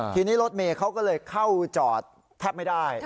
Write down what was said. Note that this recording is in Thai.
ทีนี้รถเมย์เขาก็เลยเข้าจอดแทบไม่ได้